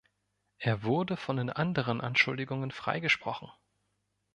Er wurde von den anderen Anschuldigungen freigesprochen.